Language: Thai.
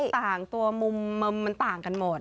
ก้อนเมฆก็ต่างตัวมุมมันต่างกันหมด